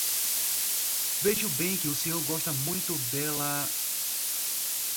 Vejo bem que o senhor gosta muito dela...